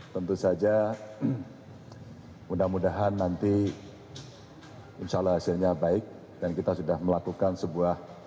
tentu saja mudah mudahan nanti insya allah hasilnya baik dan kita sudah melakukan sebuah